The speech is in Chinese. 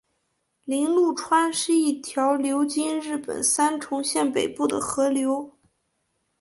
铃鹿川是一条流经日本三重县北部的河流。